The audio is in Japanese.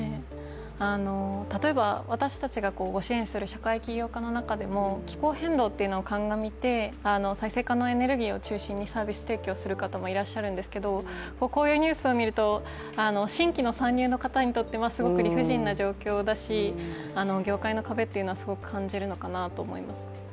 例えば私たちがご支援する社会起業家の中でも気候変動を鑑みて、再生可能エネルギーを中心にサービス提供する方もいらっしゃるんですけどこういうニュースを見ると、新規の参入の方にとってすごく理不尽な状況だし業界の壁はすごく感じるのかなと思います。